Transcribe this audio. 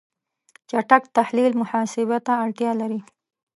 چټک تحلیل محاسبه ته اړتیا لري.